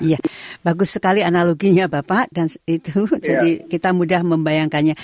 iya bagus sekali analoginya bapak dan itu jadi kita mudah membayangkannya